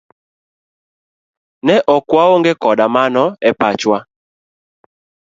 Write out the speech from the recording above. Ne ok waonge koda mano e pachwa.